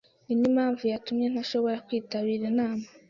Ninimpamvu yatumye ntashobora kwitabira inama.